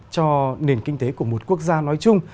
cho nền kinh tế của một quốc gia nói chung